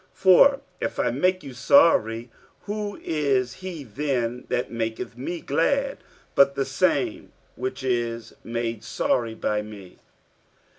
47:002:002 For if I make you sorry, who is he then that maketh me glad, but the same which is made sorry by me?